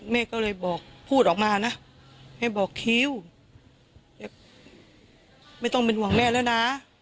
แม่ก็เลยบอกพูดออกมานะให้บอกคิวให้ไม่ต้องเป็นห่วงแม่แล้วนะ